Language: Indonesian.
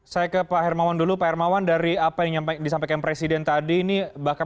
saya ke pak hermawan dulu pak hermawan dari apa yang disampaikan presiden tadi ini bahkan